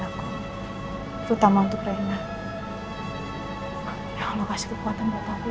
aku terutama untuk rina yang allah kasih kekuatan buat aku ya allah